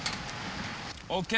ＯＫ